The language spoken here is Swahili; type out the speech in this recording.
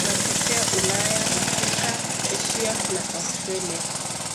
Wanatokea Ulaya, Afrika, Asia na Australia.